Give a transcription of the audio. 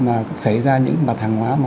mà xảy ra những mặt hàng hóa